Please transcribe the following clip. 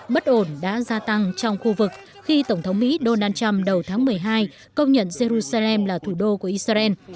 bất ổn đã gia tăng trong khu vực khi tổng thống mỹ donald trump đầu tháng một mươi hai công nhận jerusalem là thủ đô của israel